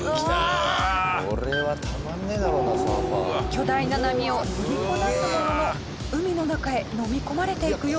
巨大な波をのりこなすものの海の中へのみ込まれていくようです。